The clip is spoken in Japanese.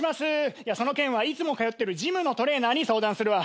いやその件はいつも通ってるジムのトレーナーに相談するわ。